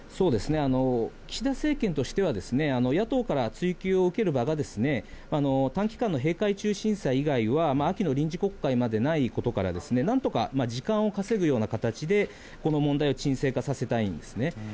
岸田政権としては、野党から追及を受ける場が短期間の閉会中審査以外は、秋の臨時国会までないことから、なんとか時間を稼ぐような形で、この問題を鎮静化させたいんですね。